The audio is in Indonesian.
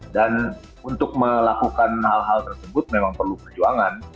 dan untuk melakukan hal hal tersebut memang perlu perjuangan